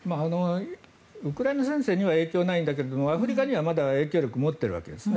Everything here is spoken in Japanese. ウクライナ戦線には影響がないんだけれどもアフリカにはまだ影響力を持っているわけですね。